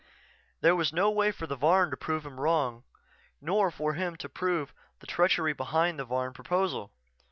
_" There was no way for the Varn to prove him wrong, nor for him to prove the treachery behind the Varn proposal.